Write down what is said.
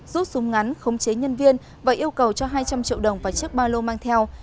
rút súng ngắn khống chế nhân viên và yêu cầu cho hai trăm linh triệu đồng và chiếc ba lô mang theo